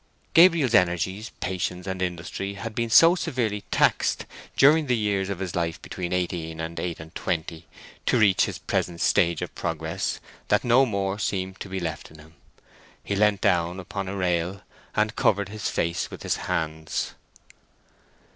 Gabriel's energies, patience, and industry had been so severely taxed during the years of his life between eighteen and eight and twenty, to reach his present stage of progress that no more seemed to be left in him. He leant down upon a rail, and covered his face with his hands.